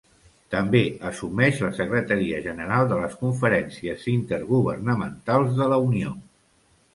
També assumeix la secretaria general de les Conferències Intergovernamentals de la Unió.